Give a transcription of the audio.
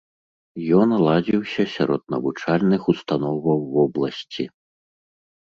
Ён ладзіўся сярод навучальных установаў вобласці.